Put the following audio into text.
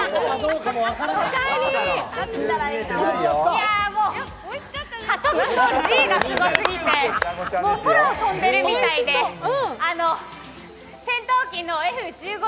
いや、もうＧがすごすぎて空を飛んでるみたいで、戦闘機のＦ−１５